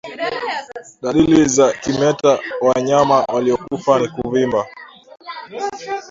Dalili za kimeta wa wanyama waliokufa ni kuvimba